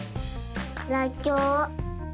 らっきょう。